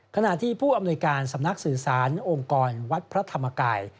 ขณะที่ผู้อำนวยการสำนักสื่อสารองค์กรวัดพระธรรมกาย